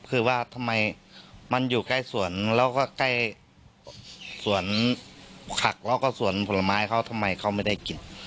คือว่าทำไมมันอยู่ใกล้สวนแล้วก็ใกล้สวนผักแล้วก็สวนผลไม้เขาทำไมเขาไม่ได้กิน